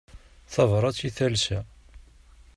Tabrat i talsa.